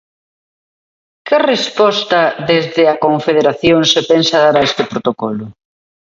Que resposta desde a Confederación se pensa dar a este protocolo?